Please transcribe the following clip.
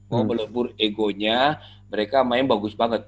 mau melebur egonya mereka main bagus banget